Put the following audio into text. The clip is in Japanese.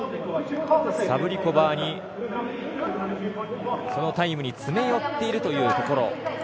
サブリコバーに、そのタイムに詰め寄っているというところ。